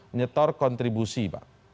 menyetor kontribusi pak